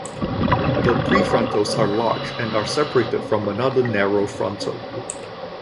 The prefrontals are large and are separated from another narrow frontal.